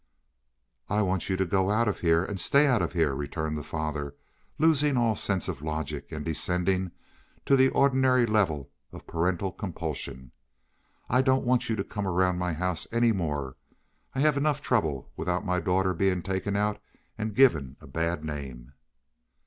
"I want you to go out of here and stay out of here," returned the father, losing all sense of logic, and descending to the ordinary level of parental compulsion. "I don't want you to come around my house any more. I have enough trouble without my daughter being taken out and given a bad name."